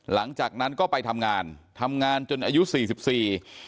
หลังจากนั้นก็ไปทำงานทำงานจนอายุสี่สิบสี่